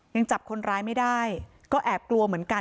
ยังจับคนร้ายไม่ได้ก็แอบกลัวเหมือนกัน